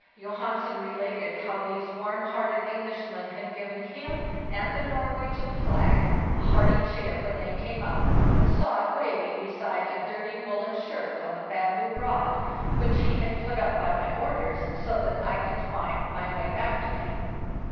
Johansen re lated how these warm hearted Englishmen had given him and the Norwegian flag a hearty cheer when they came up and saw it waving beside a dirty woollen shirt on a bamboo rod, which he had put up by my orders, so that I could find my way back to him.